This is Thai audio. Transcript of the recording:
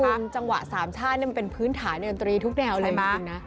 คุณจังหวะสามช่านี่มันเป็นพื้นฐานดนตรีทุกแนวเลยคุณนะ